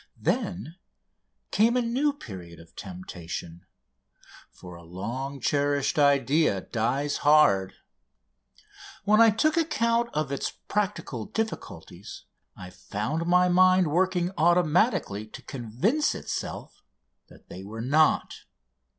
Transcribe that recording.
Then came a new period of temptation, for a long cherished idea dies hard. When I took account of its practical difficulties I found my mind working automatically to convince itself that they were not.